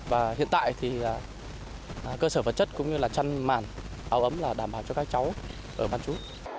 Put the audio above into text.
và hiện tại thì cơ sở vật chất cũng như là chăn màn áo ấm là đảm bảo cho các cháu ở bán chú